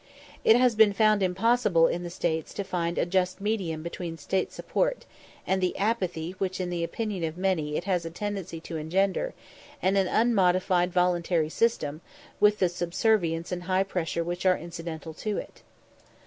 It has been found impossible in the States to find a just medium between state support, and the apathy which in the opinion of many it has a tendency to engender, and an unmodified voluntary system, with the subservience and "high pressure" which are incidental to it.